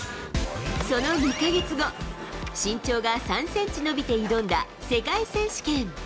その２か月後、身長が３センチ伸びて挑んだ世界選手権。